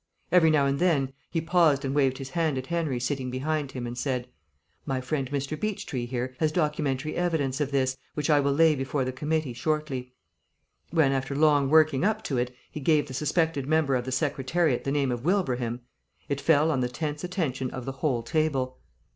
Every now and then he paused and waved his hand at Henry sitting behind him, and said, "My friend Mr. Beechtree here has documentary evidence of this, which I will lay before the committee shortly." When, after long working up to it, he gave the suspected member of the Secretariat the name of Wilbraham, it fell on the tense attention of the whole table.